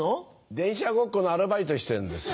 電車ごっこのアルバイトしてんですよ。